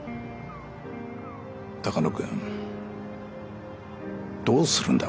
鷹野君どうするんだ？